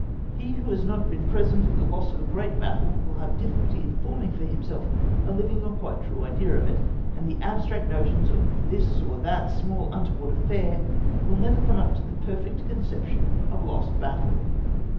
He who has not been present at the loss of a great battle will have difficulty in forming for himself a living or quite true idea of it, and the abstract notions of this or that small untoward affair will never come up to the perfect conception of a lost battle.